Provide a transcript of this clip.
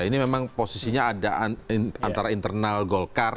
ini memang posisinya ada antara internal golkar